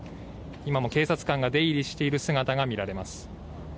今も警察官が出入りしている姿が見られます。